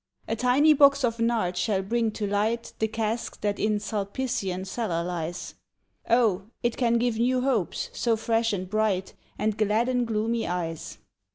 A tiny box of nard shall bring to light The cask that in Sulpician cellar lies: O, it can give new hopes, so fresh and bright, And gladden gloomy eyes.